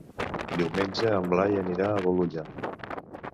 Diumenge en Blai anirà a Bolulla.